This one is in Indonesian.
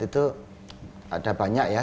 itu ada banyak ya